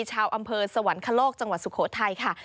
ชาวอำเภอสวรรคโลกจังหวัดสุโขทัยค่ะ